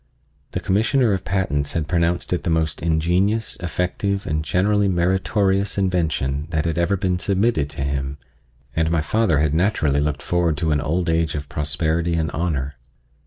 The Commissioner of Patents had pronounced it the most ingenious, effective and generally meritorious invention that had ever been submitted to him, and my father had naturally looked forward to an old age of prosperity and honor.